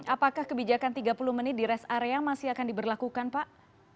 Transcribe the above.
apakah kebijakan tiga puluh menit di rest area masih akan diberlakukan pak